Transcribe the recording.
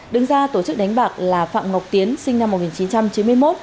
đứng ra tổ chức đánh bạc là phạm ngọc tiến sinh năm một nghìn chín trăm chín mươi một